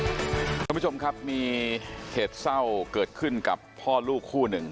คุณผู้ชมครับมีเหตุเศร้าเกิดขึ้นกับพ่อลูกคู่หนึ่ง